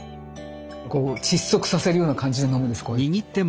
こう窒息させるような感じで飲むんですこうやって。